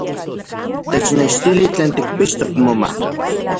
¡Technechtili tlen tikpixtok moma!